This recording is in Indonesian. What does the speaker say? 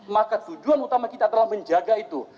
maka tujuan utama kita adalah menjaga itu